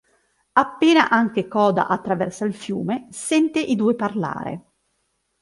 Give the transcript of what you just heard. Appena anche Koda attraversa il fiume, sente i due parlare.